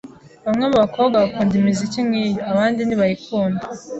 Bamwe mu bakobwa bakunda imiziki nk'iyo, abandi ntibayikunda.